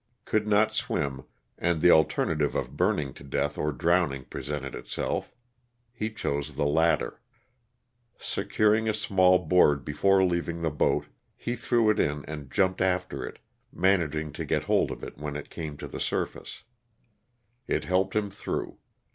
Could not swim, and the alternative of burning to death or drowning presented itself. He chose the latter. Securing a small board before leaving the boat, he threw it in and jumped after it, managing to get hold of it when it came to the surface ; it helped him through.